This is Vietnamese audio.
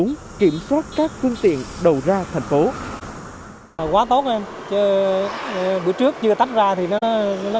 c năm ba kiểm soát các loại phương tiện xe máy và xe thô sơ